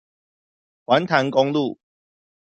環潭公路